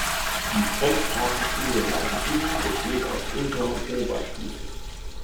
Die Fremdsprachenschule Nanjing besteht aus Unter- und Oberstufe.